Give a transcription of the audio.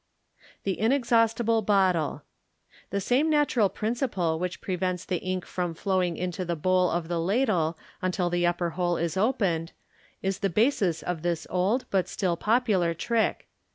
The Inexhaustible Bottle. — The same natural principle which prevents the ink from flowing ir*to the bowl of the ladle until ihe upper hole is opened, is the basis of this old but still popular trick.